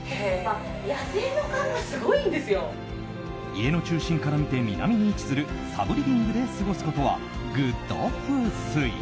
家の中心から見て南に位置するサブリビングで過ごすことはグッド風水。